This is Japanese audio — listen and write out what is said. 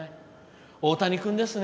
大谷君ですね。